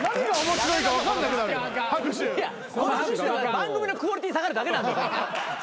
番組のクオリティー下がるだけ。